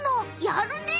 やるね！